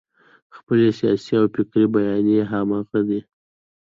خپلې سیاسي او فکري بیانیې همغه دي.